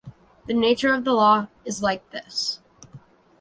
The nature of the Law is like this.